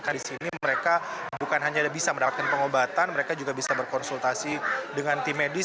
karena di sini mereka bukan hanya bisa mendapatkan pengobatan mereka juga bisa berkonsultasi dengan tim medis